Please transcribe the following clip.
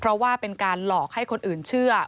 เพราะว่าเป็นการหลอกให้คนอื่นเชื่อ